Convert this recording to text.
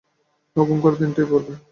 হুকুম কর তিনটেই পরব।